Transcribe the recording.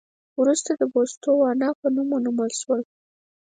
وروسته د بوتسوانا په نوم ونومول شول.